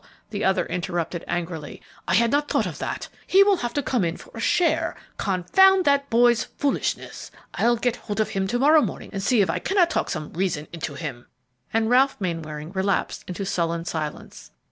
the other interrupted, angrily; "I had not thought of that; he will have to come in for a share; confound that boy's foolishness! I'll get hold of him tomorrow morning and see if I cannot talk some reason into him," and Ralph Mainwaring relapsed into sullen silence.